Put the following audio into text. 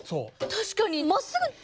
確かにまっすぐ！